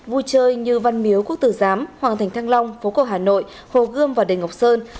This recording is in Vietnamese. vui chơi như văn miếu quốc tử giám hoàng thành thăng long phố cổ hà nội hồ gươm và đền ngọc sơn